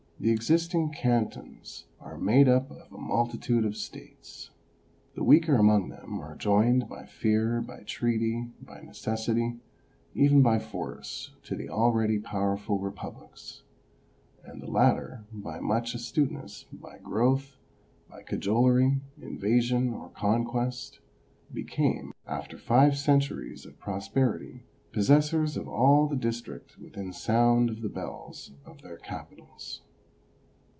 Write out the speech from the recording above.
The existing cantons are made up of a multitude of states. The weaker among them were joined by fear, by treaty, by necessity, even by force to the already powerful republics, and the latter by much astuteness, by growth, by cajolery, invasion, or conquest, became after five centuries of pros perity possessors of all the district within sound of the bells of their capitals.